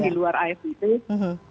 di luar asdp